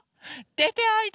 でておいで。